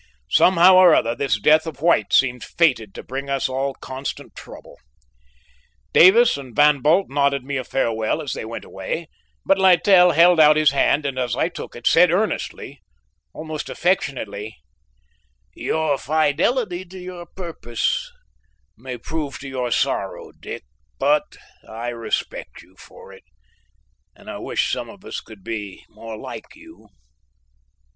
Somehow or other, this death of White seemed fated to bring us all constant trouble. Davis and Van Bult nodded me a farewell as they went away, but Littell held out his hand and, as I took it, said earnestly, almost affectionately: "Your fidelity to your purpose may prove to your sorrow, Dick, but I respect you for it, and I wish some of us could be more like you."